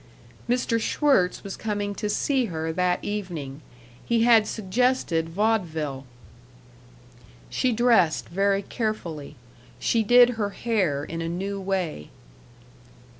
Mr. Schwirtz was coming to see her that evening. He had suggested vaudeville. She dressed very carefully. She did her hair in a new way.